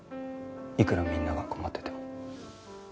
いくらみんなが困ってても。